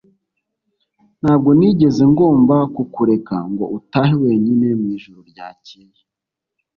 Ntabwo nigeze ngomba kukureka ngo utahe wenyine mwijoro ryakeye.